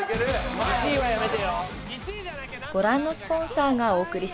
１位はやめてよ。